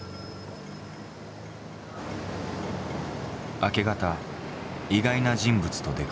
明け方意外な人物と出くわした。